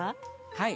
はい。